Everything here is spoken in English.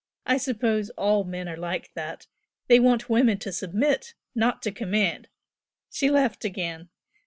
I suppose all men are like that! they want women to submit, not to command!" She laughed again.